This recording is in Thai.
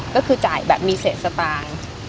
ก็คือจ่ายแบบมีเศษสตางค์